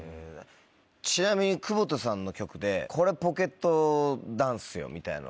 ちなみに久保田さんの曲でこれポケットなんすよみたいなの。